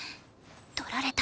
取られた！